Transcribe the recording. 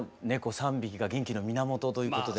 ３匹が元気の源ということで。